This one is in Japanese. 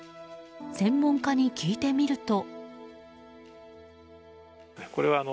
専門家に聞いてみると。